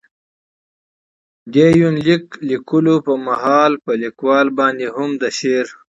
دې يونليک ليکلو په مهال، په ليکوال باندې هم د شعر.